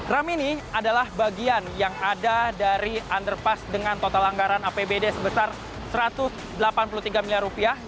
ram ini adalah bagian yang ada dari underpass dengan total anggaran apbd sebesar satu ratus delapan puluh tiga miliar rupiah